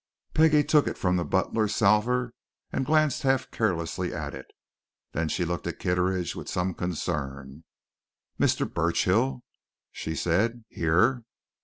Peggie took it from the butler's salver and glanced half carelessly at it. Then she looked at Kitteridge with some concern. "Mr. Burchill?" she said. "Here?"